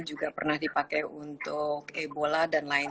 juga pernah dipakai untuk ebola dan lain